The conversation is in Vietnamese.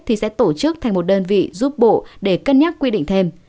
thì sẽ tổ chức thành một đơn vị giúp bộ để cân nhắc quy định thêm